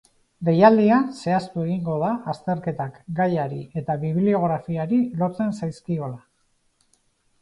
Deialdian, zehaztu egingo da azterketak gaiari eta bibliografiari lotzen zaizkiola.